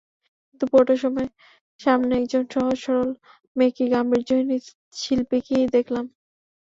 কিন্তু পুরোটা সময় সামনে একজন সহজ, সরল, মেকি গাম্ভীর্যহীন শিল্পীকেই দেখলাম।